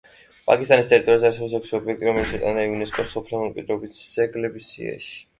პაკისტანის ტერიტორიაზე არსებობს ექვსი ობიექტი, რომელიც შეტანილია იუნესკოს მსოფლიო მემკვიდრეობის ძეგლების სიაში.